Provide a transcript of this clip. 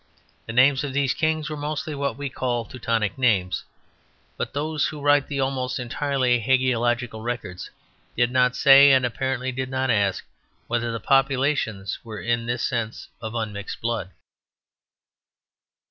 The names of these kings were mostly what we call Teutonic names; but those who write the almost entirely hagiological records did not say, and apparently did not ask, whether the populations were in this sense of unmixed blood.